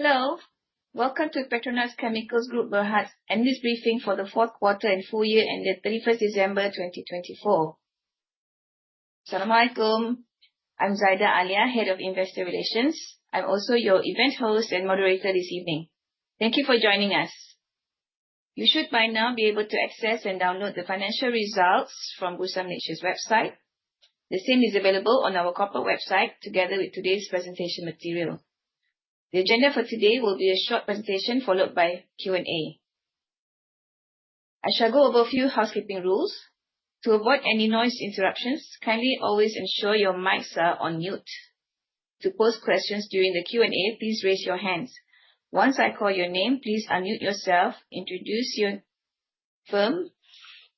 Hello, welcome to PETRONAS Chemicals Group Berhad's end-year briefing for the fourth quarter and full year ended 31st December 2024. Assalamualaikum, I'm Zaida Alia, Head of Investor Relations. I'm also your event host and moderator this evening. Thank you for joining us. You should by now be able to access and download the financial results from Bursa Malaysia's website. The same is available on our corporate website together with today's presentation material. The agenda for today will be a short presentation followed by Q&A. I shall go over a few housekeeping rules. To avoid any noise interruptions, kindly always ensure your mics are on mute. To post questions during the Q&A, please raise your hands. Once I call your name, please unmute yourself, introduce your firm,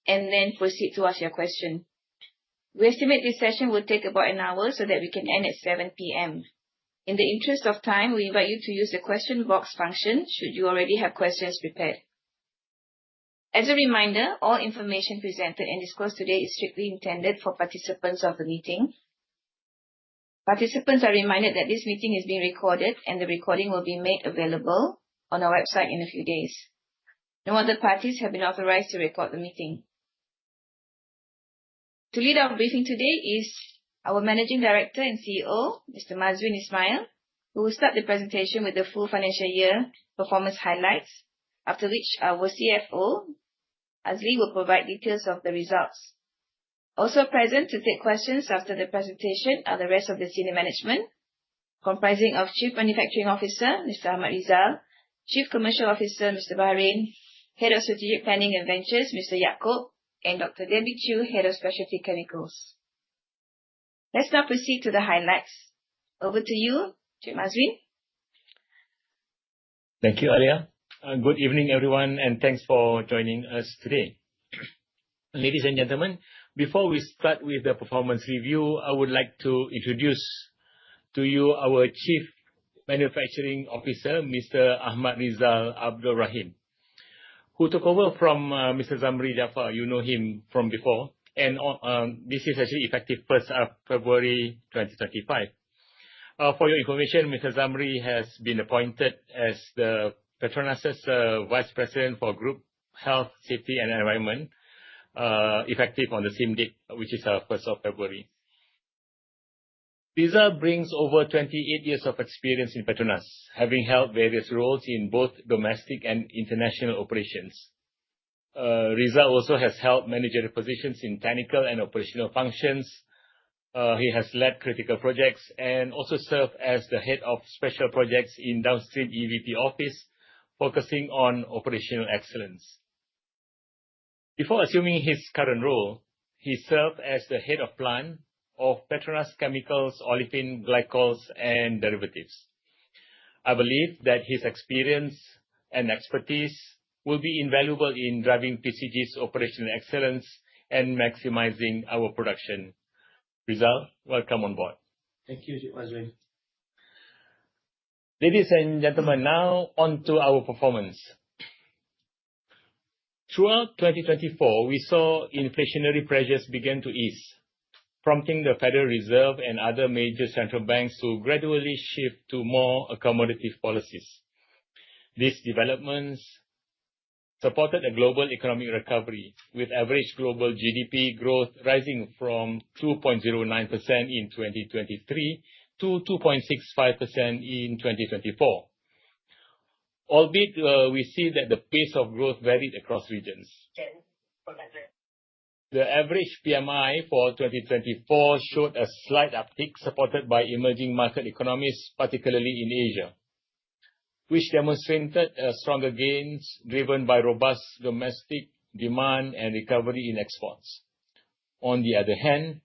and then proceed to ask your question. We estimate this session will take about an hour so that we can end at 7:00 P.M. In the interest of time, we invite you to use the question box function should you already have questions prepared. As a reminder, all information presented and disclosed today is strictly intended for participants of the meeting. Participants are reminded that this meeting is being recorded and the recording will be made available on our website in a few days. No other parties have been authorized to record the meeting. To lead our briefing today is our Managing Director and CEO, Mr. Mazuin Ismail, who will start the presentation with the full financial year performance highlights, after which our CFO, Azli, will provide details of the results. Also present to take questions after the presentation are the rest of the senior management, comprising of Chief Manufacturing Officer, Mr. Ahmad Rizal, Chief Commercial Officer, Mr. Bahrin, Head of Strategic Planning and Ventures, Mr. Yaacob, and Dr. Debbie Chiu, Head of Specialty Chemicals. Let's now proceed to the highlights. Over to you, Chief Mazuin. Thank you, Zaida. Good evening, everyone, and thanks for joining us today. Ladies and gentlemen, before we start with the performance review, I would like to introduce to you our Chief Manufacturing Officer, Mr. Ahmad Rizal Abdul Rahim, who took over from Mr. Zamri Japhar. You know him from before, and this is actually effective 1st of February 2025. For your information, Mr. Zamri has been appointed as PETRONAS's Vice President for Group Health, Safety, and Environment, effective on the same date, which is 1st of February. Rizal brings over 28 years of experience in PETRONAS, having held various roles in both domestic and international operations. Rizal also has held managerial positions in technical and operational functions. He has led critical projects and also served as the Head of Special Projects in Downstream EVP Office, focusing on operational excellence. Before assuming his current role, he served as the Head of Plant of PETRONAS Chemicals Olefins, Glycols, and Derivatives. I believe that his experience and expertise will be invaluable in driving PCG's operational excellence and maximizing our production. Rizal, welcome on board. Thank you, Chief Mazuin. Ladies and gentlemen, now on to our performance. Throughout 2024, we saw inflationary pressures begin to ease, prompting the Federal Reserve and other major central banks to gradually shift to more accommodative policies. These developments supported a global economic recovery, with average global GDP growth rising from 2.09% in 2023 to 2.65% in 2024. Albeit, we see that the pace of growth varied across regions. The average PMI for 2024 showed a slight uptick supported by emerging market economies, particularly in Asia, which demonstrated stronger gains driven by robust domestic demand and recovery in exports. On the other hand,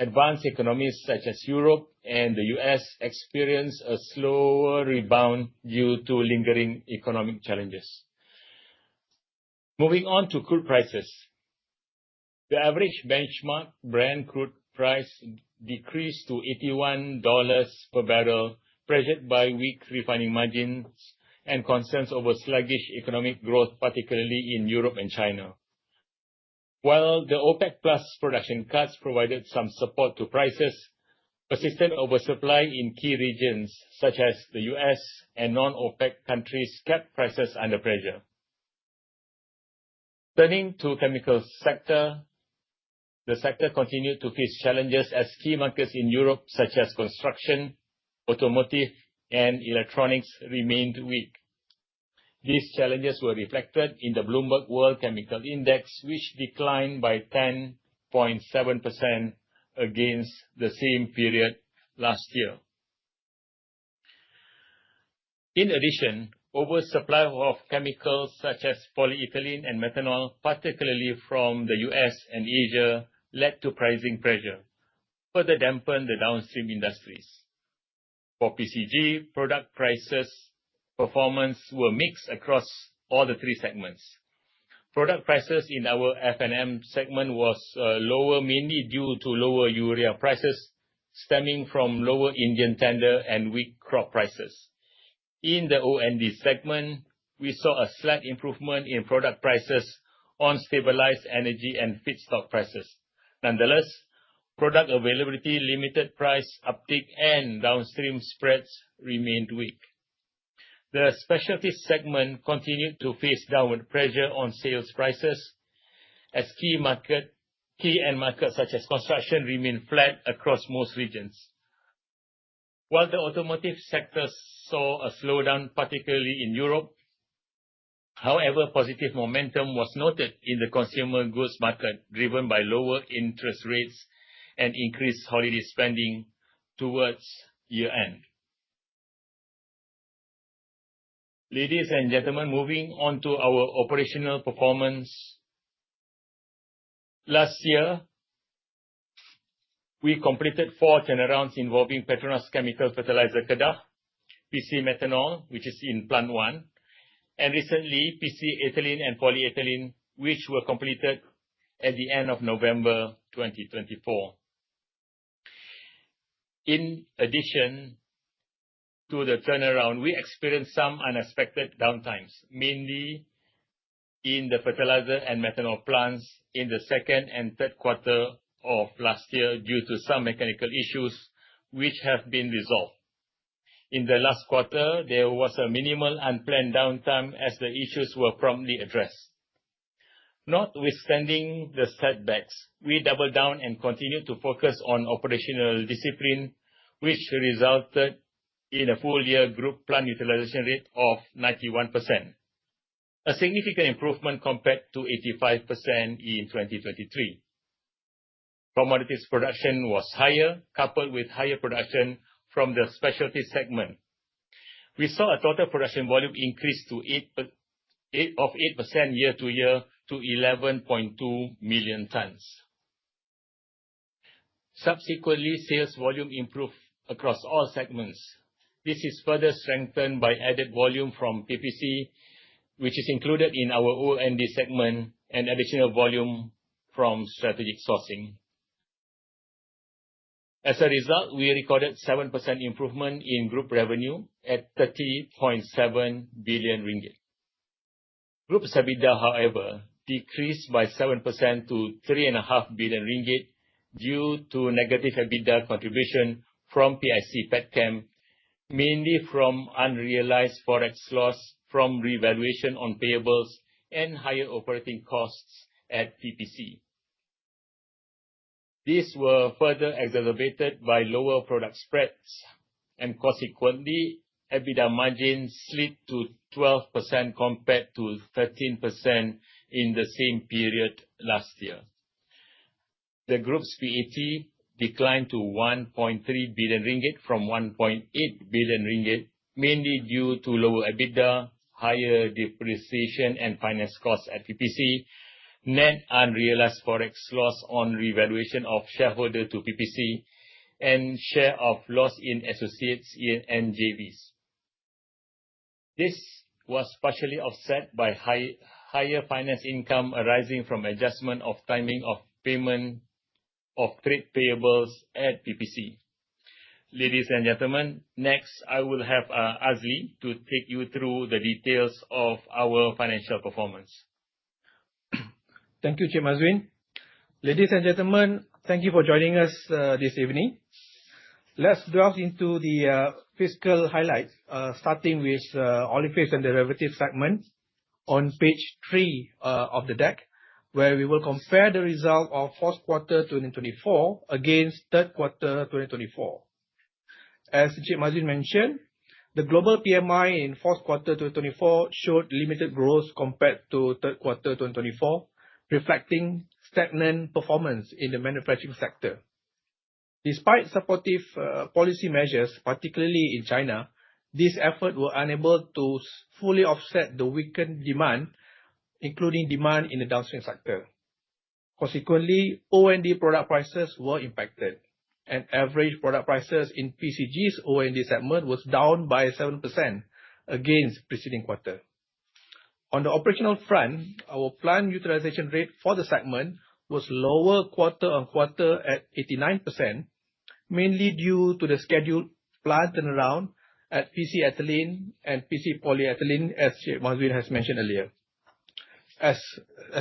advanced economies such as Europe and the US experienced a slower rebound due to lingering economic challenges. Moving on to crude prices, the average benchmark Brent crude price decreased to $81 per barrel, pressured by weak refining margins and concerns over sluggish economic growth, particularly in Europe and China. While the OPEC+ production cuts provided some support to prices, persistent oversupply in key regions such as the U.S. and non-OPEC countries kept prices under pressure. Turning to the chemical sector, the sector continued to face challenges as key markets in Europe such as construction, automotive, and electronics remained weak. These challenges were reflected in the Bloomberg World Chemical Index, which declined by 10.7% against the same period last year. In addition, oversupply of chemicals such as polyethylene and methanol, particularly from the U.S. and Asia, led to pricing pressure, further dampening the downstream industries. For PCG, product prices performance were mixed across all the three segments. Product prices in our F&M segment were lower, mainly due to lower urea prices stemming from lower Indian tender and weak crop prices. In the O&D segment, we saw a slight improvement in product prices on stabilized energy and feedstock prices. Nonetheless, product availability, limited price uptick, and downstream spreads remained weak. The specialty segment continued to face downward pressure on sales prices as key markets and markets such as construction remained flat across most regions. While the automotive sector saw a slowdown, particularly in Europe, however, positive momentum was noted in the consumer goods market driven by lower interest rates and increased holiday spending towards year-end. Ladies and gentlemen, moving on to our operational performance. Last year, we completed four turnarounds involving PETRONAS Chemicals Fertilizer Kedah, PC Methanol, which is in Plant One, and recently PC Ethylene and Polyethylene, which were completed at the end of November 2024. In addition to the turnaround, we experienced some unexpected downtimes, mainly in the fertilizer and methanol plants in the second and third quarter of last year due to some mechanical issues, which have been resolved. In the last quarter, there was a minimal unplanned downtime as the issues were promptly addressed. Notwithstanding the setbacks, we doubled down and continued to focus on operational discipline, which resulted in a full-year group plant utilization rate of 91%, a significant improvement compared to 85% in 2023. Commodities production was higher, coupled with higher production from the specialty segment. We saw a total production volume increase of 8% year-to-year to 11.2 million tons. Subsequently, sales volume improved across all segments. This is further strengthened by added volume from PPC, which is included in our O&D segment, and additional volume from strategic sourcing. As a result, we recorded a 7% improvement in group revenue at RM 30.7 billion. Group EBITDA, however, decreased by 7% to RM 3.5 billion due to negative EBITDA contribution from PIC, PetChem, mainly from unrealized forex loss from revaluation on payables and higher operating costs at PPC. These were further exacerbated by lower product spreads, and consequently, EBITDA margins slid to 12% compared to 13% in the same period last year. The group's PAT declined to RM 1.3 billion from RM 1.8 billion, mainly due to lower EBITDA, higher depreciation, and finance costs at PPC, net unrealized forex loss on revaluation of shareholder loan to PPC, and share of loss in associates in JVs. This was partially offset by higher finance income arising from adjustment of timing of payment of trade payables at PPC. Ladies and gentlemen, next, I will have Azli to take you through the details of our financial performance. Thank you, Chief Mazuin. Ladies and gentlemen, thank you for joining us this evening. Let's delve into the fiscal highlights, starting with Olefins and Derivatives segment on page three of the deck, where we will compare the results of fourth quarter 2024 against third quarter 2024. As Chief Mazuin mentioned, the global PMI in fourth quarter 2024 showed limited growth compared to third quarter 2024, reflecting stagnant performance in the manufacturing sector. Despite supportive policy measures, particularly in China, these efforts were unable to fully offset the weakened demand, including demand in the downstream sector. Consequently, O&D product prices were impacted, and average product prices in PCG's O&D segment were down by 7% against the preceding quarter. On the operational front, our plant utilization rate for the segment was lower quarter on quarter at 89%, mainly due to the scheduled plant turnaround at PC Ethylene and PC Polyethylene, as Chief Mazuin has mentioned earlier. As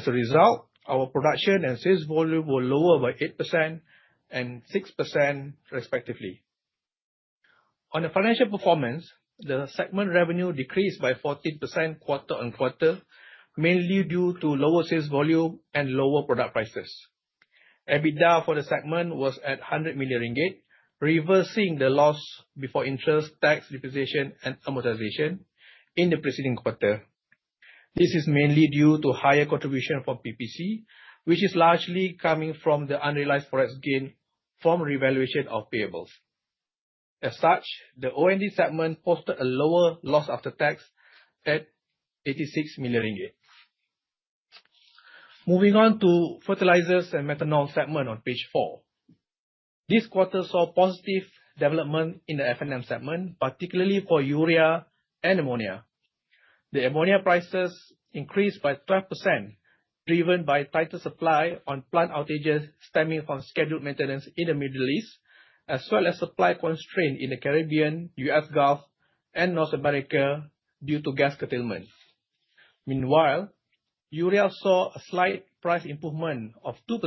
a result, our production and sales volume were lower by 8% and 6%, respectively. On the financial performance, the segment revenue decreased by 14% quarter on quarter, mainly due to lower sales volume and lower product prices. EBITDA for the segment was at 100 million ringgit, reversing the loss before interest, tax, depreciation, and amortization in the preceding quarter. This is mainly due to higher contribution from PPC, which is largely coming from the unrealized forex gain from revaluation of payables. As such, the O&D segment posted a lower loss after tax at 86 million ringgit. Moving on to the fertilizers and methanol segment on page four, this quarter saw positive development in the F&M segment, particularly for urea and ammonia. The ammonia prices increased by 12%, driven by tighter supply from plant outages stemming from scheduled maintenance in the Middle East, as well as supply constraints in the Caribbean, U.S. Gulf, and North America due to gas constraints. Meanwhile, urea saw a slight price improvement of 2%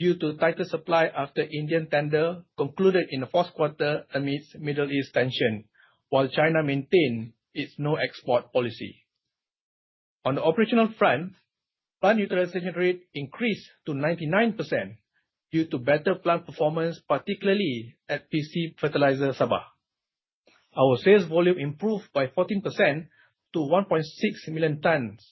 due to tighter supply after Indian tender concluded in the fourth quarter amidst Middle East tension, while China maintained its no-export policy. On the operational front, plant utilization rate increased to 99% due to better plant performance, particularly at PC Fertilizer Sabah. Our sales volume improved by 14% to 1.6 million tons,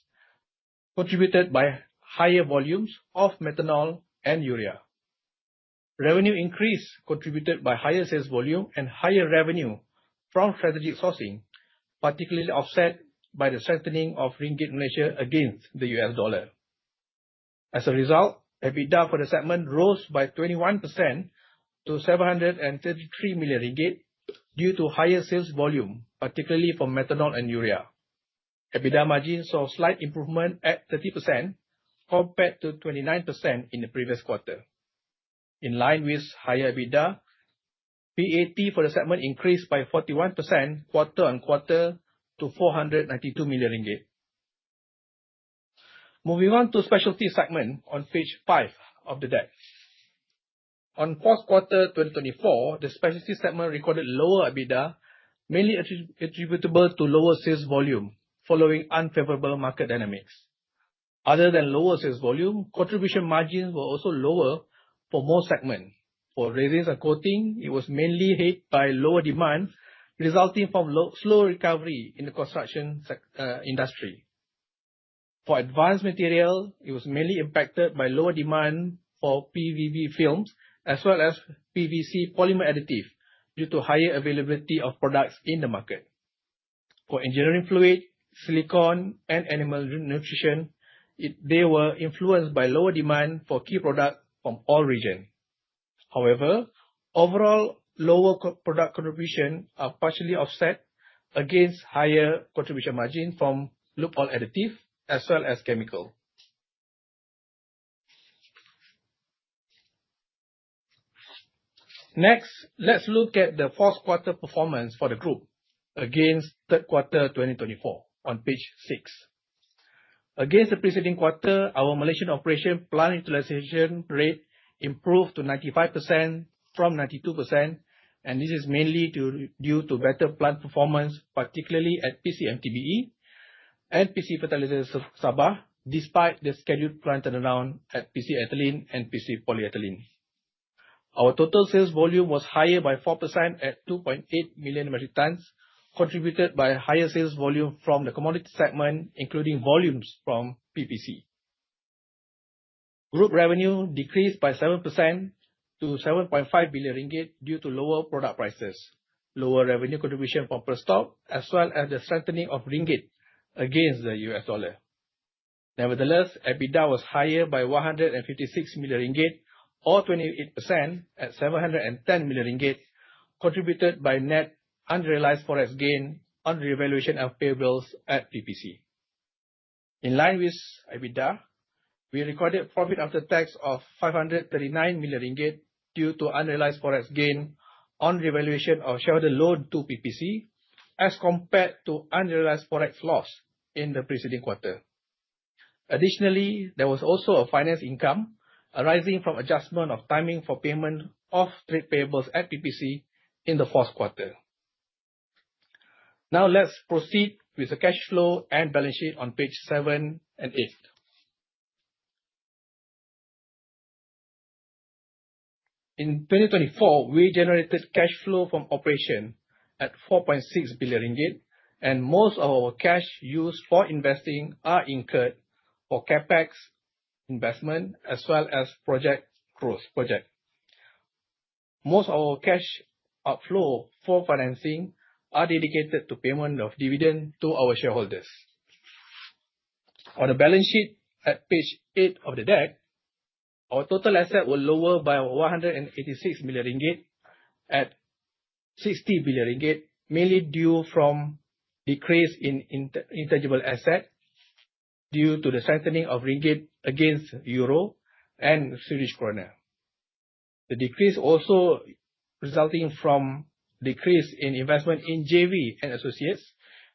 contributed by higher volumes of methanol and urea. Revenue increase contributed by higher sales volume and higher revenue from strategic sourcing, partly offset by the strengthening of the Malaysian ringgit against the U.S. dollar. As a result, EBITDA for the segment rose by 21% to 733 million ringgit due to higher sales volume, particularly for methanol and urea. EBITDA margins saw a slight improvement at 30% compared to 29% in the previous quarter. In line with higher EBITDA, PAT for the segment increased by 41% quarter on quarter to 492 million ringgit. Moving on to the specialty segment on page five of the deck. In fourth quarter 2024, the specialty segment recorded lower EBITDA, mainly attributable to lower sales volume following unfavorable market dynamics. Other than lower sales volume, contribution margins were also lower for most segments. For resins and coating, it was mainly hit by lower demand resulting from slow recovery in the construction industry. For advanced materials, it was mainly impacted by lower demand for PVB films as well as PVC polymer additive due to higher availability of products in the market. For engineering fluids, silicone, and animal nutrition, they were influenced by lower demand for key products from all regions. However, overall, lower product contributions are partially offset against higher contribution margins from lube oil additive as well as chemicals. Next, let's look at the fourth quarter performance for the group against third quarter 2024 on page six. Against the preceding quarter, our Malaysian operation plant utilization rate improved to 95% from 92%, and this is mainly due to better plant performance, particularly at PC MTBE and PC Fertilizer Sabah, despite the scheduled plant turnaround at PC Ethylene and PC Polyethylene. Our total sales volume was higher by 4% at 2.8 million tons contributed by higher sales volume from the commodity segment, including volumes from PPC. Group revenue decreased by 7% to 7.5 billion ringgit due to lower product prices, lower revenue contribution from Perstorp, as well as the strengthening of Ringgit against the US Dollar. Nevertheless, EBITDA was higher by 156 million ringgit or 28% at 710 million ringgit contributed by net unrealized forex gain on revaluation of payables at PPC. In line with EBITDA, we recorded profit after tax of 539 million ringgit due to unrealized forex gain on revaluation of shareholder loan to PPC as compared to unrealized forex loss in the preceding quarter. Additionally, there was also a finance income arising from adjustment of timing for payment of trade payables at PPC in the fourth quarter. Now, let's proceed with the cash flow and balance sheet on page seven and eight. In 2024, we generated cash flow from operations at 4.6 billion ringgit, and most of our cash used for investing is incurred for CapEx investment as well as project growth projects. Most of our cash outflow for financing is dedicated to payment of dividends to our shareholders. On the balance sheet at page eight of the deck, our total assets were lower by 186 million ringgit at 60 billion ringgit, mainly due to decrease in intangible assets due to the strengthening of Ringgit against Euro and Swedish Krona. The decrease also resulted from a decrease in investment in JV and Associates,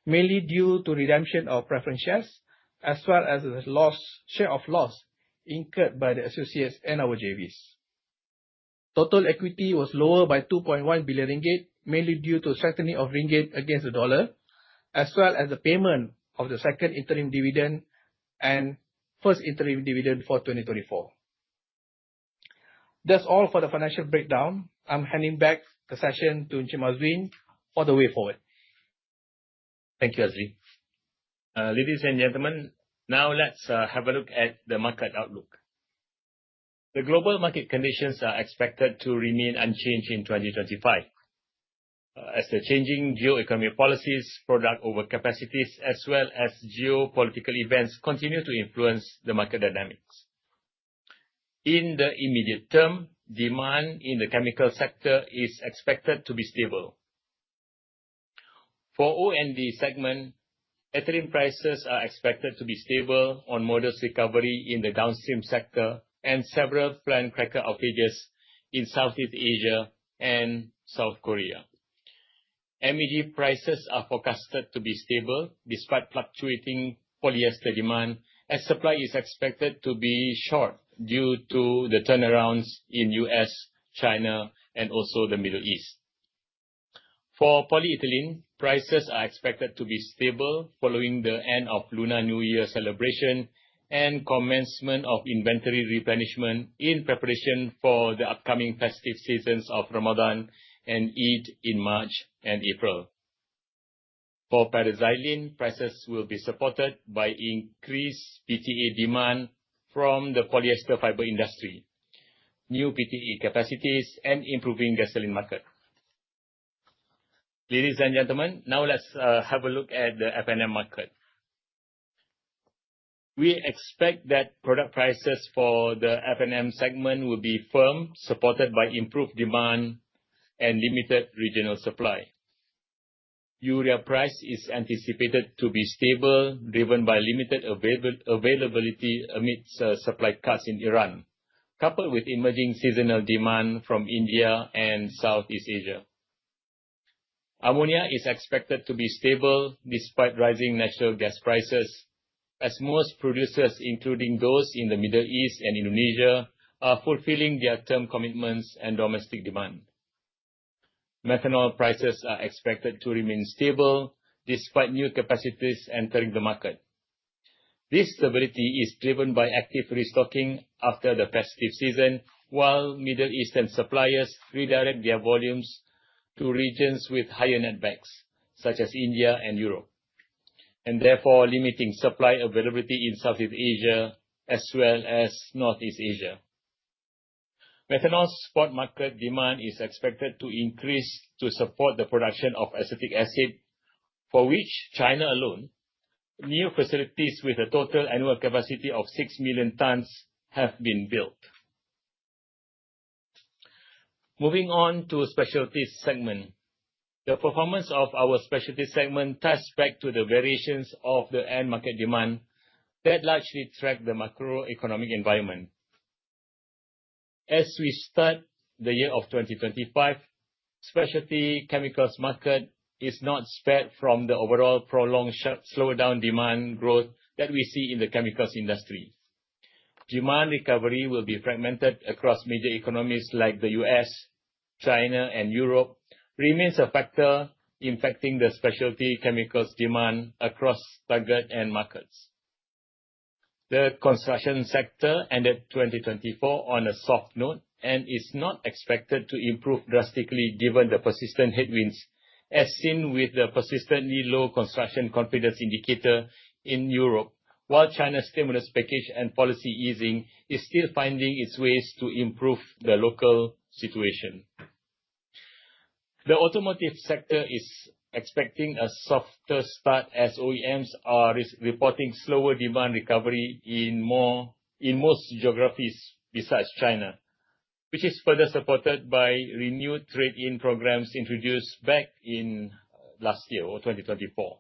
mainly due to redemption of preferred shares as well as the share of loss incurred by the Associates and our JVs. Total equity was lower by 2.1 billion ringgit, mainly due to the strengthening of the Ringgit against the dollar as well as the payment of the second interim dividend and first interim dividend for 2024. That's all for the financial breakdown. I'm handing back the session to Ismail Mazuin for the way forward. Thank you, Azli. Ladies and gentlemen, now let's have a look at the market outlook. The global market conditions are expected to remain unchanged in 2025 as the changing geoeconomic policies, product overcapacities, as well as geopolitical events continue to influence the market dynamics. In the immediate term, demand in the chemical sector is expected to be stable. For O&D segment, ethylene prices are expected to be stable on modest recovery in the downstream sector and several plant cracker outages in Southeast Asia and South Korea. MEG prices are forecasted to be stable despite fluctuating polyester demand as supply is expected to be short due to the turnarounds in the US, China, and also the Middle East. For polyethylene, prices are expected to be stable following the end of Lunar New Year celebration and commencement of inventory replenishment in preparation for the upcoming festive seasons of Ramadan and Eid in March and April. For petroleum jelly, prices will be supported by increased PTA demand from the polyester fiber industry, new PTA capacities, and improving gasoline market. Ladies and gentlemen, now let's have a look at the F&M market. We expect that product prices for the F&M segment will be firm, supported by improved demand and limited regional supply. Urea price is anticipated to be stable, driven by limited availability amidst supply cuts in Iran, coupled with emerging seasonal demand from India and Southeast Asia. Ammonia is expected to be stable despite rising natural gas prices, as most producers, including those in the Middle East and Indonesia, are fulfilling their term commitments and domestic demand. Methanol prices are expected to remain stable despite new capacities entering the market. This stability is driven by active restocking after the festive season, while Middle Eastern suppliers redirect their volumes to regions with higher netbacks, such as India and Europe, and therefore limiting supply availability in Southeast Asia as well as Northeast Asia. Methanol spot market demand is expected to increase to support the production of acetic acid, for which China alone, new facilities with a total annual capacity of six million tons have been built. Moving on to the specialty segment, the performance of our specialty segment ties back to the variations of the end market demand that largely track the macroeconomic environment. As we start the year of 2025, the specialty chemicals market is not spared from the overall prolonged slowdown demand growth that we see in the chemicals industry. Demand recovery will be fragmented across major economies like the U.S., China, and Europe, remains a factor impacting the specialty chemicals demand across target end markets. The construction sector ended 2024 on a soft note and is not expected to improve drastically given the persistent headwinds as seen with the persistently low construction confidence indicator in Europe, while China's stimulus package and policy easing are still finding their ways to improve the local situation. The automotive sector is expecting a softer start as OEMs are reporting slower demand recovery in most geographies besides China, which is further supported by renewed trade-in programs introduced back in last year or 2024.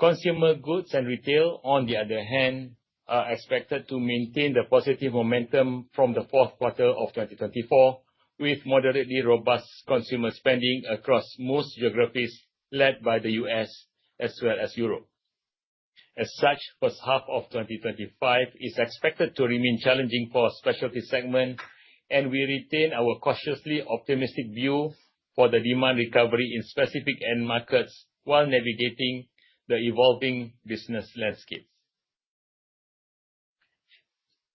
Consumer goods and retail, on the other hand, are expected to maintain the positive momentum from the fourth quarter of 2024, with moderately robust consumer spending across most geographies led by the U.S. as well as Europe. As such, the first half of 2025 is expected to remain challenging for the specialty segment, and we retain our cautiously optimistic view for the demand recovery in specific end markets while navigating the evolving business landscape.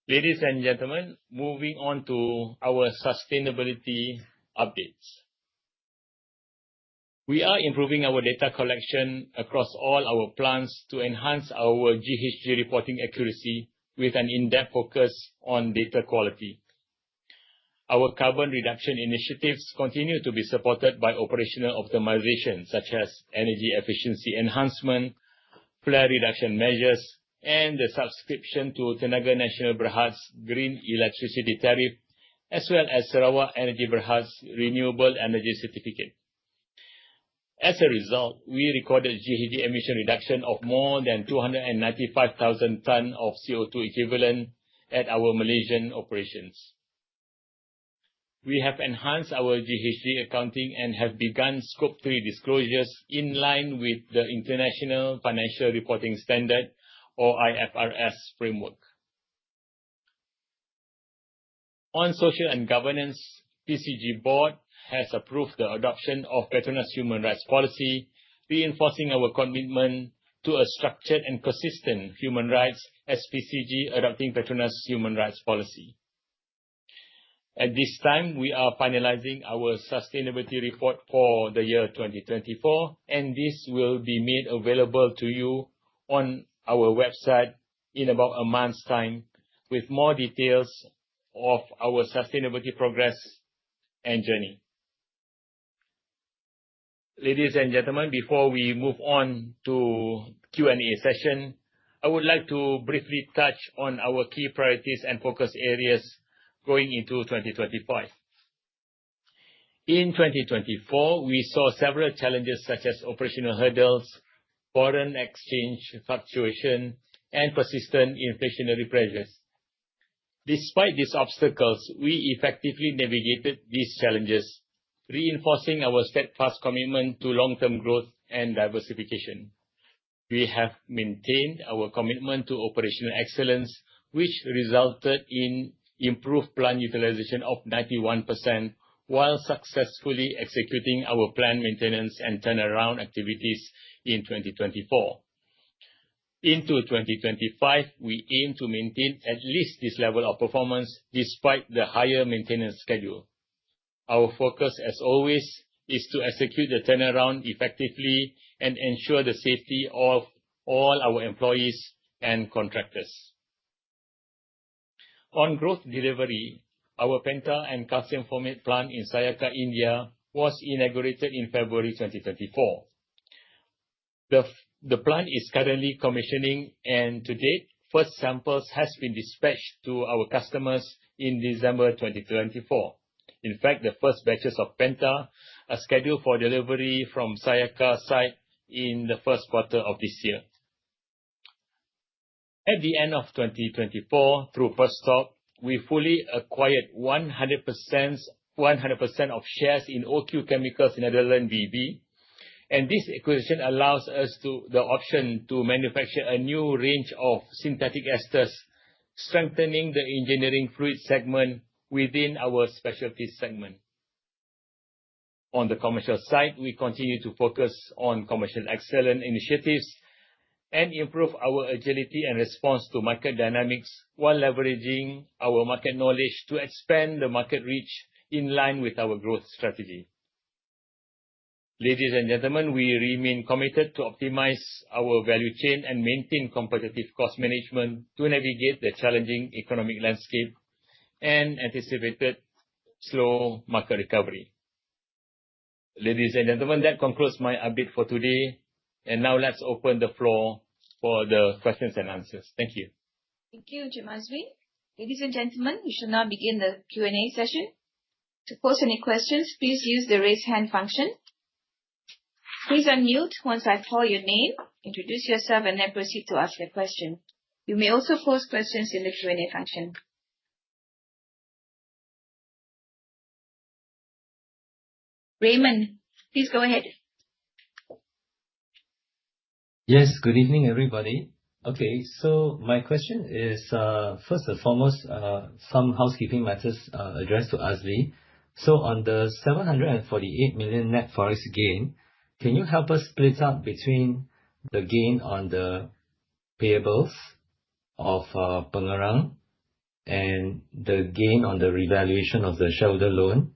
Ladies and gentlemen, moving on to our sustainability updates. We are improving our data collection across all our plants to enhance our GHG reporting accuracy with an in-depth focus on data quality. Our carbon reduction initiatives continue to be supported by operational optimizations such as energy efficiency enhancement, flare reduction measures, and the subscription to Tenaga Nasional Berhad's green electricity tariff, as well as Sarawak Energy Berhad's renewable energy certificate. As a result, we recorded GHG emission reduction of more than 295,000 tons of CO2 equivalent at our Malaysian operations. We have enhanced our GHG accounting and have begun Scope 3 disclosures in line with the International Financial Reporting Standards or IFRS Framework. On social and governance, the PCG Board has approved the adoption of PETRONAS Human Rights Policy, reinforcing our commitment to a structured and consistent human rights as PCG adopting PETRONAS Human Rights Policy. At this time, we are finalizing our sustainability report for the year 2024, and this will be made available to you on our website in about a month's time with more details of our sustainability progress and journey. Ladies and gentlemen, before we move on to the Q&A session, I would like to briefly touch on our key priorities and focus areas going into 2025. In 2024, we saw several challenges such as operational hurdles, foreign exchange fluctuations, and persistent inflationary pressures. Despite these obstacles, we effectively navigated these challenges, reinforcing our steadfast commitment to long-term growth and diversification. We have maintained our commitment to operational excellence, which resulted in improved plant utilization of 91% while successfully executing our plant maintenance and turnaround activities in 2024. In 2025, we aim to maintain at least this level of performance despite the higher maintenance schedule. Our focus, as always, is to execute the turnaround effectively and ensure the safety of all our employees and contractors. On growth delivery, our Penta and calcium formate plant in Sayakha, India, was inaugurated in February 2024. The plant is currently commissioning, and to date, first samples have been dispatched to our customers in December 2024. In fact, the first batches of Penta are scheduled for delivery from Sayakha's site in the first quarter of this year. At the end of 2024, through Perstorp, we fully acquired 100% of shares in OQ Chemicals Netherlands B.V., and this acquisition allows us the option to manufacture a new range of synthetic esters, strengthening the engineering fluid segment within our specialty segment. On the commercial side, we continue to focus on commercial excellence initiatives and improve our agility and response to market dynamics while leveraging our market knowledge to expand the market reach in line with our growth strategy. Ladies and gentlemen, we remain committed to optimize our value chain and maintain competitive cost management to navigate the challenging economic landscape and anticipated slow market recovery. Ladies and gentlemen, that concludes my update for today, and now let's open the floor for the questions-and-answers. Thank you. Thank you, Encik Mazuin. Ladies and gentlemen, we shall now begin the Q&A session. To post any questions, please use the raise hand function. Please unmute once I call your name, introduce yourself, and then proceed to ask your question. You may also post questions in the Q&A function. Raymond, please go ahead. Yes, good evening, everybody. Okay, so my question is, first and foremost, some housekeeping matters addressed to Azli. So on the $748 million net forex gain, can you help us split up between the gain on the payables of Pengerang and the gain on the revaluation of the shareholder loan,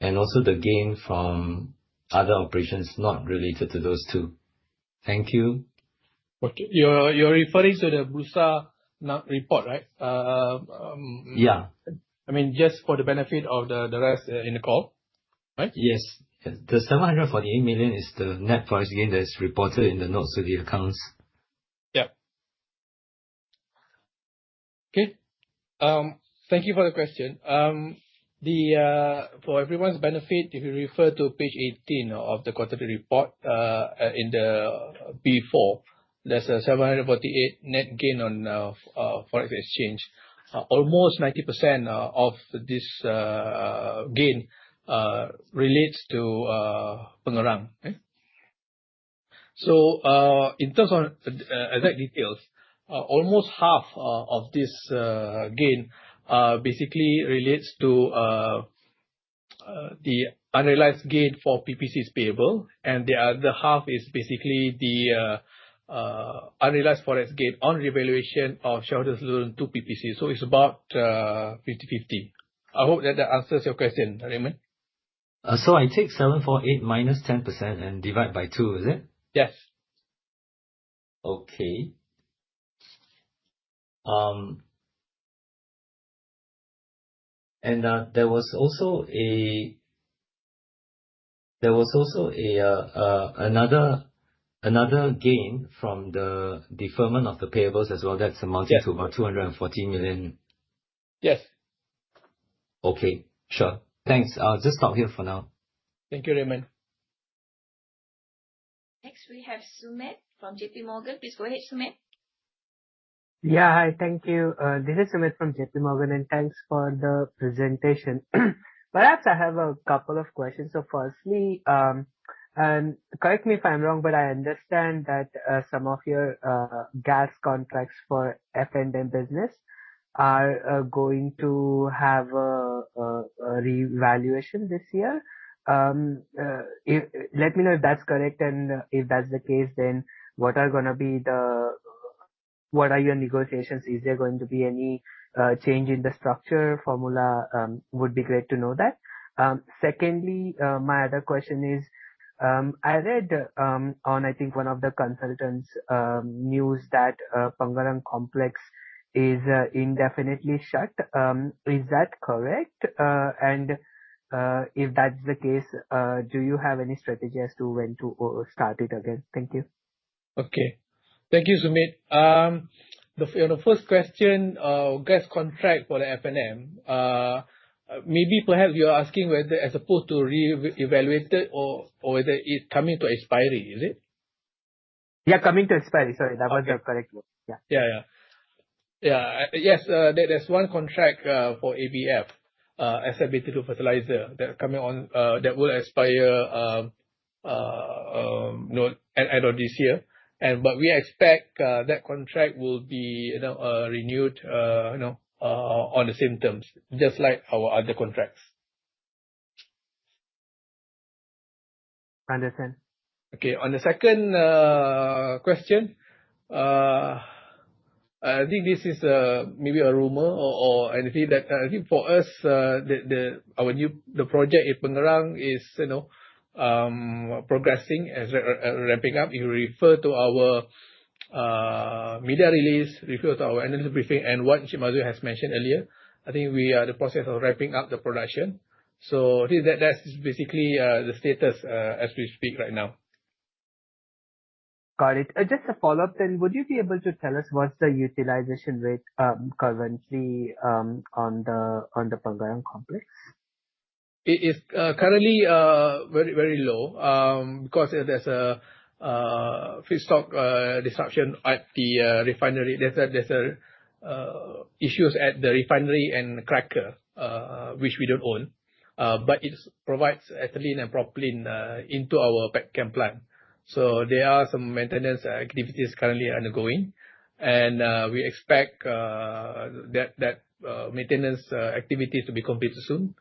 and also the gain from other operations not related to those two? Thank you. You're referring to the Bursa report, right? Yeah. I mean, just for the benefit of the rest in the call, right? Yes. The $748 million is the net forex gain that is reported in the notes of the accounts. Yeah. Okay. Thank you for the question. For everyone's benefit, if you refer to page 18 of the quarterly report in the Bursa, there's a $748 million net gain on foreign exchange. Almost 90% of this gain relates to Pengerang. So in terms of exact details, almost half of this gain basically relates to the unrealized gain for PPC's payable, and the other half is basically the unrealized foreign gain on revaluation of shareholder loan to PPC. So it's about 50-50. I hope that that answers your question, Raymond. So I take $748 million - 10% and divide by two, is it? Yes. Okay. And there was also another gain from the deferment of the payables as well. That's amounted to about $240 million. Yes. Okay. Sure. Thanks. I'll just stop here for now. Thank you, Raymond. Next, we have Sumit from JPMorgan. Please go ahead, Sumit. Yeah, hi. Thank you. This is Sumit from JPMorgan, and thanks for the presentation. Perhaps I have a couple of questions. So firstly, and correct me if I'm wrong, but I understand that some of your gas contracts for F&M business are going to have a revaluation this year. Let me know if that's correct, and if that's the case, then what are going to be your negotiations? Is there going to be any change in the structure? Formula would be great to know that. Secondly, my other question is, I read on, I think, one of the consultants' news that Pengerang Complex is indefinitely shut. Is that correct? And if that's the case, do you have any strategy as to when to start it again? Thank you. Okay. Thank you, Sumit. The first question, gas contract for the F&M, maybe perhaps you're asking whether as opposed to re-evaluated or whether it's coming to expiry, is it? Yeah, coming to expiry. Sorry, that was the correct one. Yeah. Yeah, yeah. Yeah. Yes, there's one contract for ABF, ASEAN Bintulu Fertilizer, that's coming on that will expire at the end of this year. But we expect that contract will be renewed on the same terms, just like our other contracts. Understand. Okay. On the second question, I think this is maybe a rumor or anything that I think for us, our new project in Pengerang is progressing as ramping up. You refer to our media release, refer to our analyst briefing, and what Encik Mazuin has mentioned earlier. I think we are in the process of ramping up the production. So that's basically the status as we speak right now. Got it. Just a follow-up then. Would you be able to tell us what's the utilization rate currently on the Pengerang Complex? It is currently very, very low because there's a feedstock disruption at the refinery. There's issues at the refinery and cracker, which we don't own, but it provides ethylene and propylene into our PetChem plant. So there are some maintenance activities currently undergoing, and we expect that maintenance activities to be completed soon.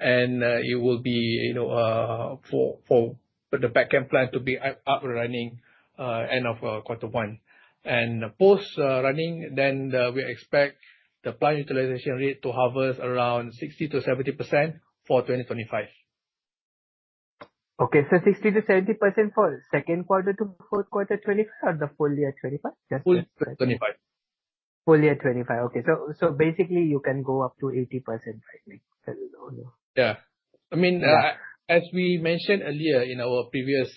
And it will be for the PetChem plant to be up and running end of quarter one. And post-running, then we expect the plant utilization rate to hover around 60%-70% for 2025. Okay. So 60%-70% for second quarter to fourth quarter 2025 or the full year 2025? Full 2025. Full year 2025. Okay. So basically, you can go up to 80%, right? Yeah. I mean, as we mentioned earlier in our previous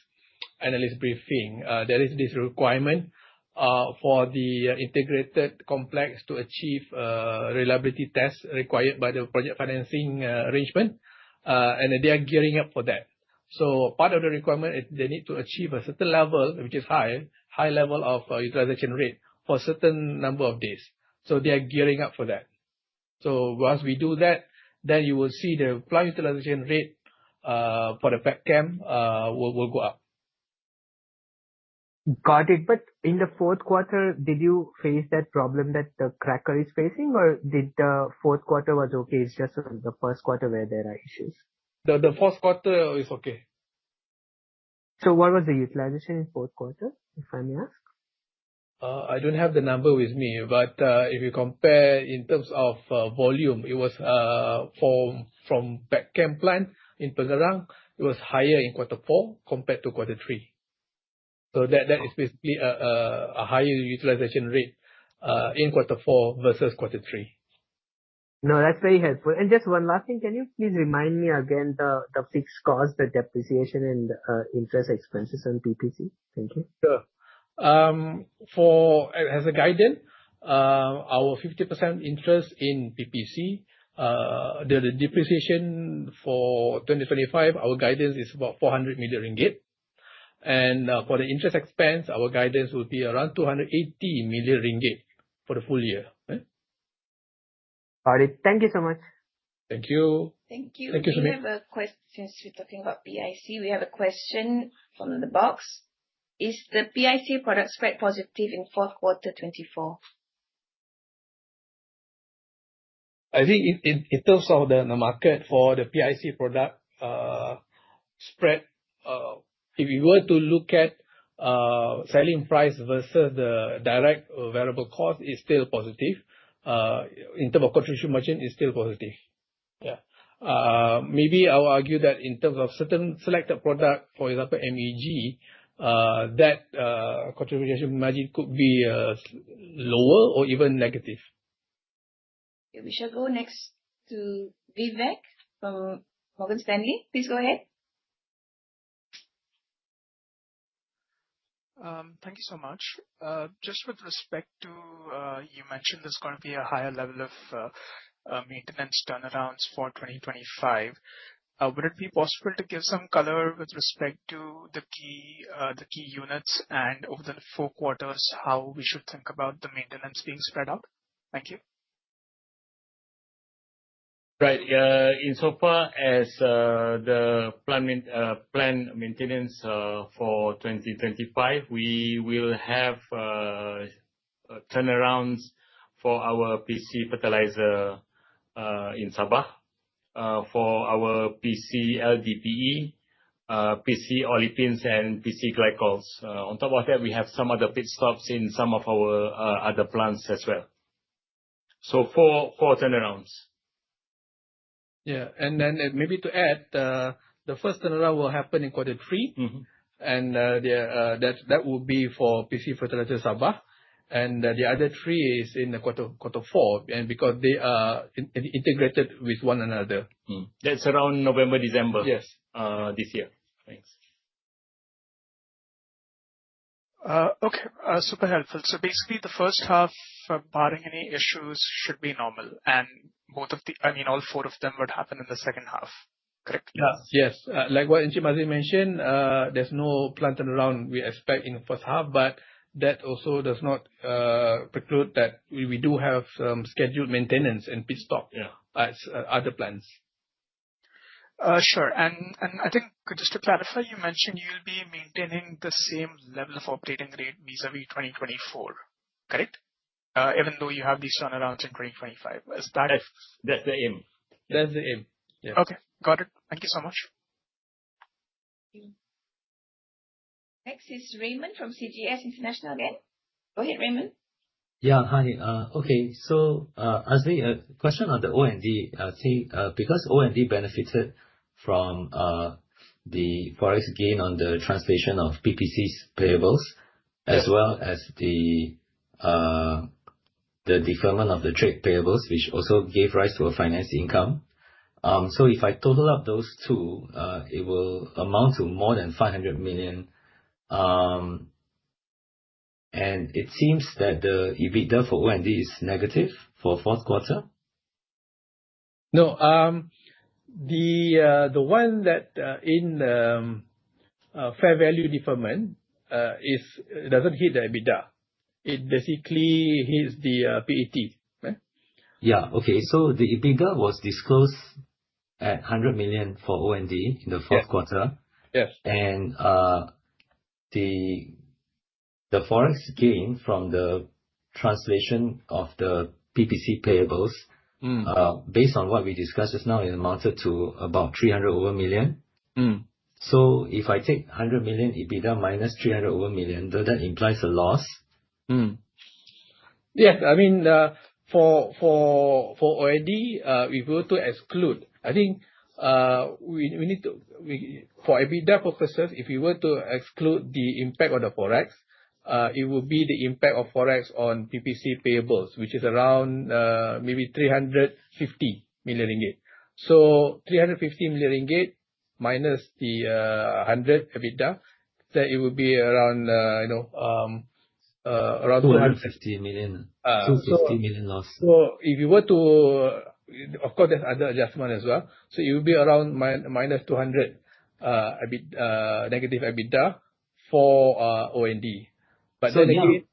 analyst briefing, there is this requirement for the integrated complex to achieve reliability tests required by the project financing arrangement, and they are gearing up for that. So part of the requirement is they need to achieve a certain level, which is high, high level of utilization rate for a certain number of days. So they are gearing up for that. So once we do that, then you will see the plant utilization rate for the PetChem will go up. Got it. But in the fourth quarter, did you face that problem that the cracker is facing, or did the fourth quarter was okay? It's just the first quarter where there are issues. The fourth quarter is okay. So what was the utilization in fourth quarter, if I may ask? I don't have the number with me, but if you compare in terms of volume, it was from PetChem plant in Pengerang, it was higher in quarter four compared to quarter three. So that is basically a higher utilization rate in quarter four versus quarter three. No, that's very helpful. And just one last thing. Can you please remind me again the fixed cost, the depreciation, and interest expenses on PPC? Thank you. Sure. As a guidance, our 50% interest in PPC, the depreciation for 2025, our guidance is about 400 million ringgit. For the interest expense, our guidance will be around 280 million ringgit for the full year. Got it. Thank you so much. Thank you. Thank you. Thank you, Sumit. We have a question since we're talking about PIC. We have a question from the box. Is the PIC product spread positive in fourth quarter 2024? I think in terms of the market for the PIC product spread, if you were to look at selling price versus the direct variable cost, it's still positive. In terms of contribution margin, it's still positive. Yeah. Maybe I will argue that in terms of certain selected products, for example, MEG, that contribution margin could be lower or even negative. We shall go next to Vivek from Morgan Stanley. Please go ahead. Thank you so much. Just with respect to you mentioned there's going to be a higher level of maintenance turnarounds for 2025. Would it be possible to give some color with respect to the key units and over the four quarters, how we should think about the maintenance being spread out? Thank you. Right. Insofar as the plant maintenance for 2025, we will have turnarounds for our PC Fertilizer in Sabah, for our PC LDPE, PC Olefins, and PC Glycols. On top of that, we have some other pit stops in some of our other plants as well. So four turnarounds. Yeah. And then maybe to add, the first turnaround will happen in quarter three, and that will be for PC Fertilizer Sabah. And the other three is in quarter four because they are integrated with one another. That's around November, December this year. Thanks. Okay. Super helpful. So basically, the first half, barring any issues, should be normal. And both of the, I mean, all four of them would happen in the second half, correct? Yes. Like what Encik Mazuin mentioned, there's no plant turnaround we expect in the first half, but that also does not preclude that we do have some scheduled maintenance and pit stop at other plants. Sure. And I think just to clarify, you mentioned you'll be maintaining the same level of operating rate vis-à-vis 2024, correct? Even though you have these turnarounds in 2025. Is that? Yes. That's the aim. That's the aim. Yeah. Okay. Got it. Thank you so much. Thank you. Next is Raymond from CGS International again. Go ahead, Raymond. Yeah. Hi. Okay. So Azli, a question on the O&D. I think because O&D benefited from the forex gain on the translation of PPC's payables as well as the deferment of the trade payables, which also gave rise to a finance income. So if I total up those two, it will amount to more than $500 million. And it seems that the EBITDA for O&D is negative for fourth quarter. No. The one that in the fair value deferment doesn't hit the EBITDA. It basically hits the PAT. Yeah. Okay. So the EBITDA was disclosed at $100 million for O&D in the fourth quarter. And the foreign gain from the translation of the PPC payables, based on what we discussed just now, it amounted to about $300 million. So if I take $100 million EBITDA minus $300 million, does that imply a loss? Yes. I mean, for O&D, if we were to exclude, I think we need to for EBITDA purposes, if we were to exclude the impact on the forex, it would be the impact of forex on PPC payables, which is around maybe $350 million. So $350 million minus the $100 EBITDA, then it would be around $250 million. $250 million loss. So if you were to, of course, there's other adjustment as well. So it would be around minus $200 negative EBITDA for O&D. But then again,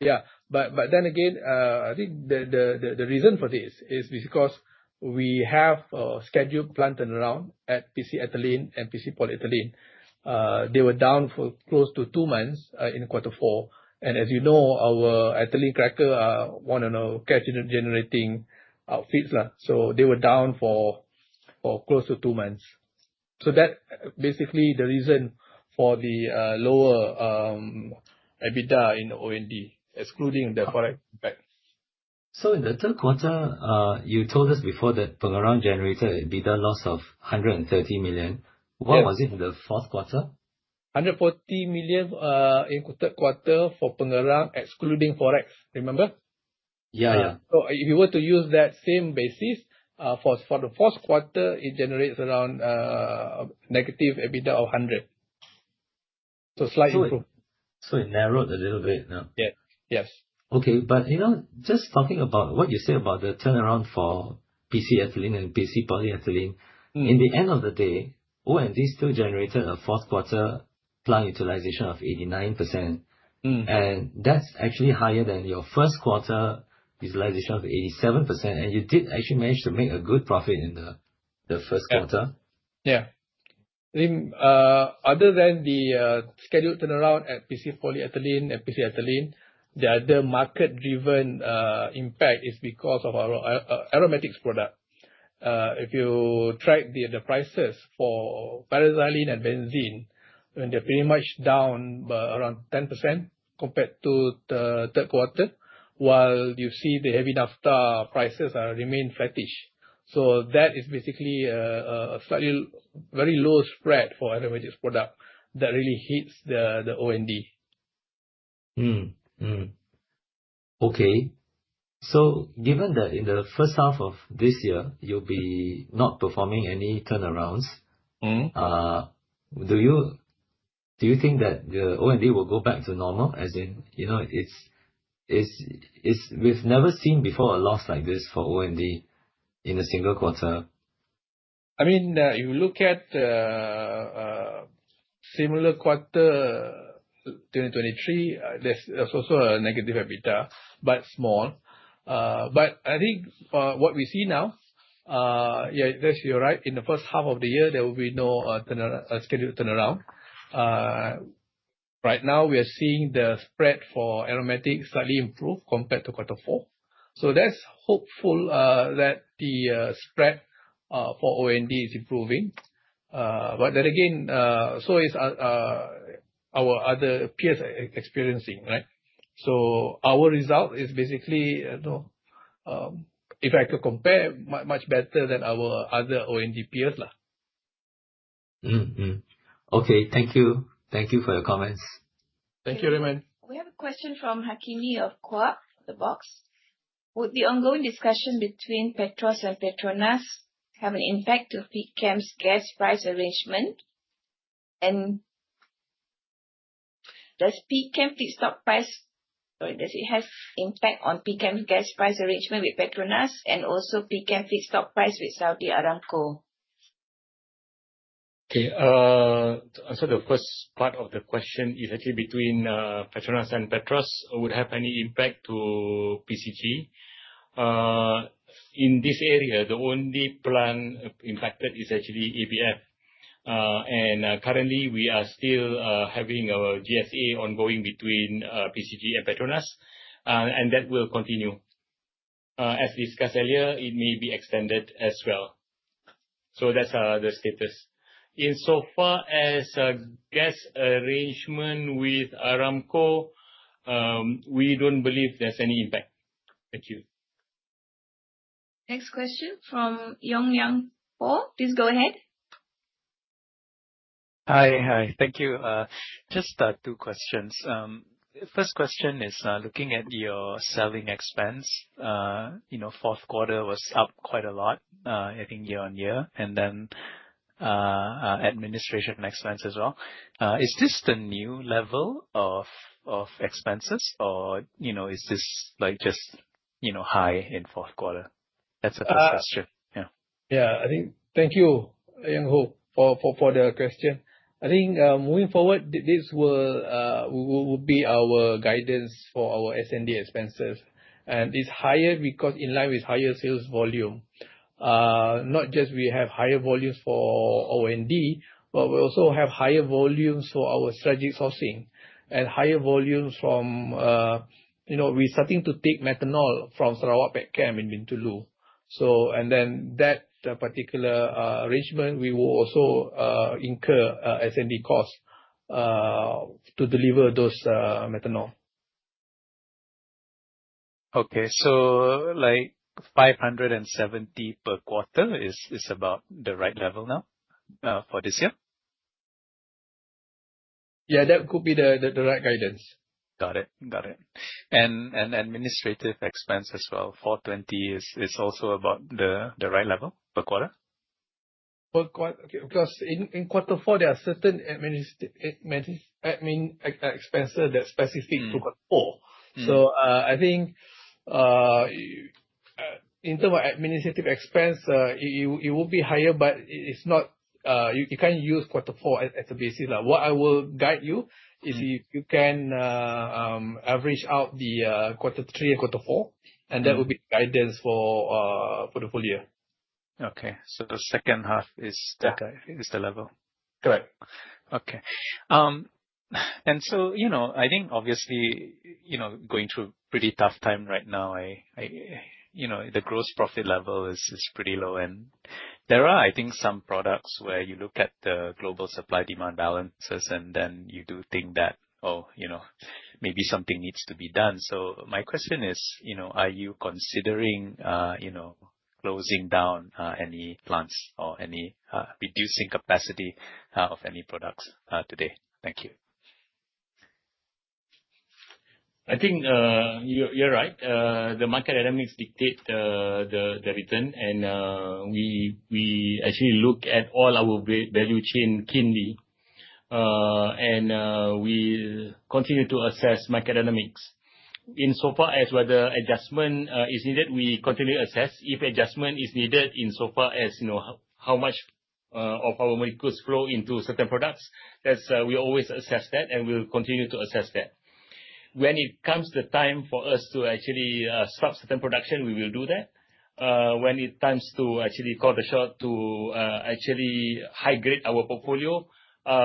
yeah. But then again, I think the reason for this is because we have a scheduled plant turnaround at PC Olefins and PC Polyethylene. They were down for close to two months in quarter four. And as you know, our ethylene cracker are one of the cash-generating outfits. So they were down for close to two months. So that's basically the reason for the lower EBITDA in O&D, excluding the forex impact. So in the third quarter, you told us before that Pengerang generated an EBITDA loss of $130 million. What was it in the fourth quarter? $140 million in the third quarter for Pengerang, excluding forex. Remember? Yeah, yeah. So if you were to use that same basis, for the fourth quarter, it generates around negative EBITDA of $100. So slight improvement. It narrowed a little bit. Yes. Okay. But just talking about what you said about the turnaround for PC ethylene and PC polyethylene, at the end of the day, O&D still generated a fourth quarter plant utilization of 89%. And that's actually higher than your first quarter utilization of 87%. And you did actually manage to make a good profit in the first quarter. Yeah. I think other than the scheduled turnaround at PC polyethylene and PC ethylene, the other market-driven impact is because of our aromatics product. If you track the prices for paraxylene and benzene, they're pretty much down by around 10% compared to the third quarter, while you see the heavy naphtha prices remain flattish. So that is basically a very low spread for aromatics product that really hits the O&D. Okay. Given that in the first half of this year, you'll be not performing any turnarounds, do you think that the O&D will go back to normal? As in, we've never seen before a loss like this for O&D in a single quarter. I mean, if you look at similar quarter 2023, there's also a negative EBITDA, but small. But I think what we see now, yeah, you're right. In the first half of the year, there will be no scheduled turnaround. Right now, we are seeing the spread for aromatics slightly improve compared to quarter four. So that's hopeful that the spread for O&D is improving. But then again, so it's our other peers experiencing, right? So our result is basically, if I could compare, much better than our other O&D peers. Okay. Thank you. Thank you for your comments. Thank you, Raymond. We have a question from Hakimi of KAF, The Box. Would the ongoing discussion between Petros and PETRONAS have an impact to PetChem's gas price arrangement? And does PetChem and Perstorp price impact on PetChem's gas price arrangement with PETRONAS and also PetChem Perstorp price with Saudi Aramco? Okay. So the first part of the question is actually between PETRONAS and Petros, would have any impact to PCG? In this area, the only plant impacted is actually ABF. And currently, we are still having our GSA ongoing between PCG and PETRONAS, and that will continue. As discussed earlier, it may be extended as well. So that's the status. Insofar as gas arrangement with Aramco, we don't believe there's any impact. Thank you. Next question from Yong Liang Por. Please go ahead. Hi. Hi. Thank you. Just two questions. First question is looking at your selling expense. Fourth quarter was up quite a lot, I think, year-on-year, and then administration expense as well. Is this the new level of expenses, or is this just high in fourth quarter? That's a question. Yeah. Yeah. I think thank you, Yong Liang Por, for the question. I think moving forward, these will be our guidance for our S&D expenses. And it's higher because in line with higher sales volume. Not just we have higher volumes for O&D, but we also have higher volumes for our strategic sourcing and higher volumes from we're starting to take methanol from Sarawak PetChem in Bintulu. And then that particular arrangement, we will also incur S&D costs to deliver those methanol. Okay. So $570 per quarter is about the right level now for this year? Yeah. That could be the right guidance. Got it. Got it. And administrative expense as well, $420 is also about the right level per quarter? Per quarter. Okay. Because in quarter four, there are certain administrative expenses that are specific to quarter four. So I think in terms of administrative expense, it will be higher, but you can't use quarter four as a basis. What I will guide you is if you can average out the quarter three and quarter four, and that will be the guidance for the full year. Okay, so the second half is the level. Correct. Okay. And so I think, obviously, going through a pretty tough time right now, the gross profit level is pretty low. And there are, I think, some products where you look at the global supply-demand balances, and then you do think that, oh, maybe something needs to be done. So my question is, are you considering closing down any plants or reducing capacity of any products today? Thank you. I think you're right. The market dynamics dictate the return, and we actually look at all our value chain keenly, and we continue to assess market dynamics. Insofar as whether adjustment is needed, we continue to assess. If adjustment is needed insofar as how much of our molecules flow into certain products, we always assess that, and we'll continue to assess that. When it comes the time for us to actually stop certain production, we will do that. When it comes to actually call the shots to actually high-grade our portfolio,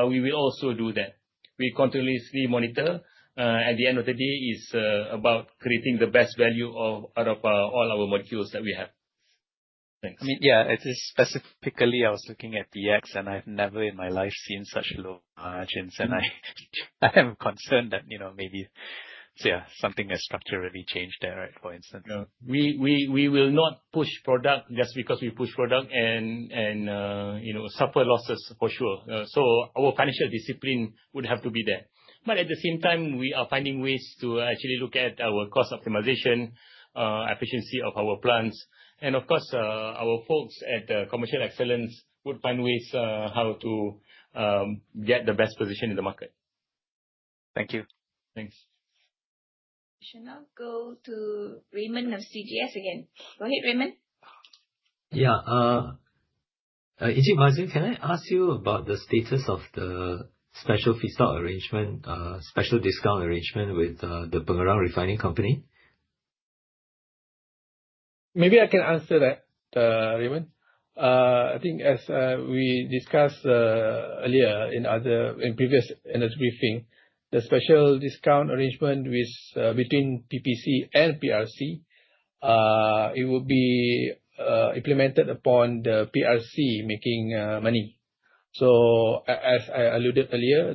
we will also do that. We continuously monitor. At the end of the day, it's about creating the best value out of all our molecules that we have. I mean, yeah, specifically, I was looking at [PX], and I've never in my life seen such low margins, and I am concerned that maybe, yeah, something has structurally changed there, right, for instance. We will not push product just because we push product and suffer losses for sure, so our financial discipline would have to be there, but at the same time, we are finding ways to actually look at our cost optimization, efficiency of our plants, and of course, our folks at Commercial Excellence would find ways how to get the best position in the market. Thank you. Thanks. We should now go to Raymond of CGS again. Go ahead, Raymond. Yeah. Encik Baharin, can I ask you about the status of the special feedstock arrangement, special discount arrangement with the Pengerang Refining Company? Maybe I can answer that, Raymond. I think as we discussed earlier in previous analyst briefing, the special discount arrangement between PPC and PRC, it will be implemented upon the PRC making money. So as I alluded earlier,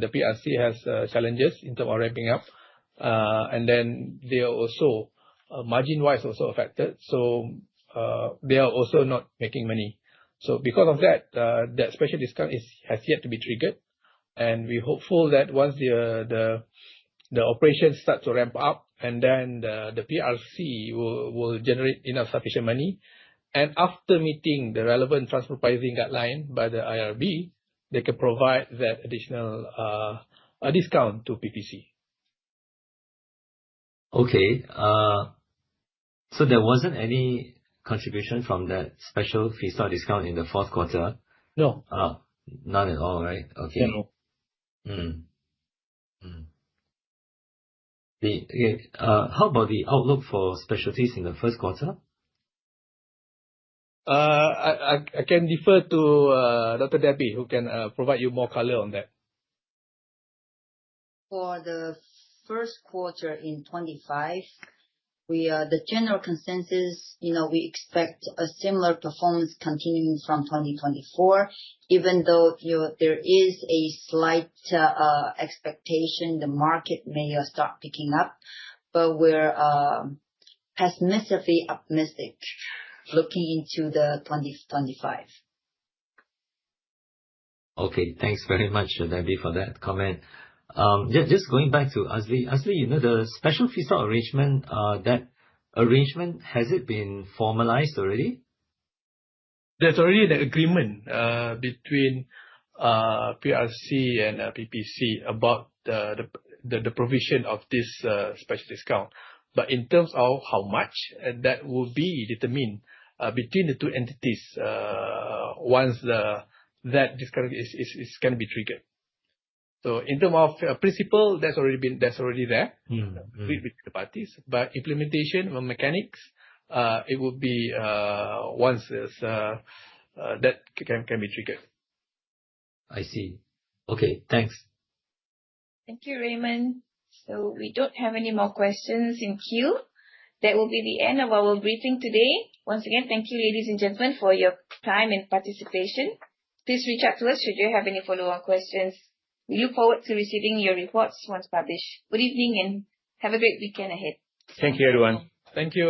the PRC has challenges in terms of ramping up. And then they are also margin-wise also affected. So they are also not making money. So because of that, that special discount has yet to be triggered. And we're hopeful that once the operation starts to ramp up, and then the PRC will generate enough sufficient money. And after meeting the relevant transfer pricing guideline by the IRB, they can provide that additional discount to PPC. Okay. So there wasn't any contribution from that special Perstorp discount in the fourth quarter? No. None at all, right? Okay. No. How about the outlook for specialties in the first quarter? I can defer to Dr. Debbie, who can provide you more color on that. For the first quarter in 2025, the general consensus, we expect a similar performance continuing from 2024, even though there is a slight expectation the market may start picking up. But we're pessimistically optimistic looking into the 2025. Okay. Thanks very much, Debbie, for that comment. Just going back to Azli. Azli, the special feed-start arrangement, that arrangement, has it been formalized already? There's already an agreement between PRC and PPC about the provision of this special discount. But in terms of how much, that will be determined between the two entities once that discount is going to be triggered. So in terms of principle, that's already there, between the parties. But implementation mechanics, it will be once that can be triggered. I see. Okay. Thanks. Thank you, Raymond. So we don't have any more questions in queue. That will be the end of our briefing today. Once again, thank you, ladies and gentlemen, for your time and participation. Please reach out to us should you have any follow-on questions. We look forward to receiving your reports once published. Good evening and have a great weekend ahead. Thank you, everyone. Thank you.